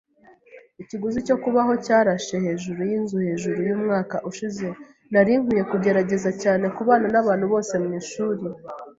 Ikiguzi cyo kubaho cyarashe hejuru yinzu hejuru yumwaka ushize. Nari nkwiye kugerageza cyane kubana nabantu bose mwishuri.